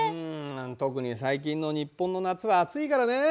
特に最近の日本の夏は暑いからね。